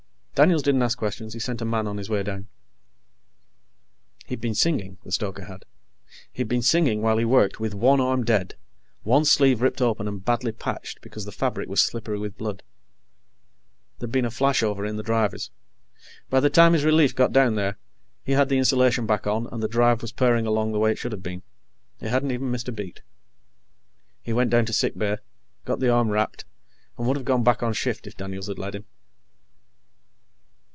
Daniels didn't ask questions. He sent a man on his way down. He'd been singing, the stoker had. He'd been singing while he worked with one arm dead, one sleeve ripped open and badly patched because the fabric was slippery with blood. There'd been a flashover in the drivers. By the time his relief got down there, he had the insulation back on, and the drive was purring along the way it should have been. It hadn't even missed a beat. He went down to sick bay, got the arm wrapped, and would have gone back on shift if Daniels'd let him.